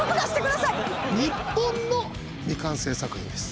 日本の未完成作品です。